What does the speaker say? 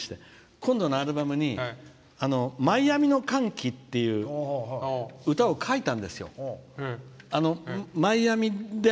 今度のアルバムに「マイアミの歓喜」って歌を書いたんですよ。